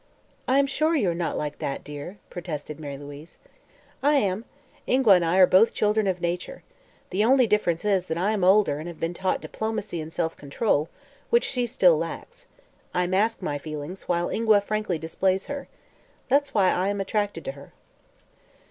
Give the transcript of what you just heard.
"I'm sure you are not like that, dear," protested Mary Louise. "I am. Ingua and I are both children of nature. The only difference is that I am older and have been taught diplomacy and self control, which she still lacks. I mask my feelings, while Ingua frankly displays hers. That's why I am attracted to her."